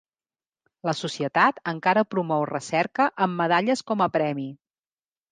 La societat encara promou recerca amb medalles com a premi.